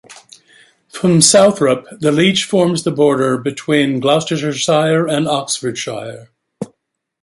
From Southrop, the Leach forms the border between Gloucestershire and Oxfordshire.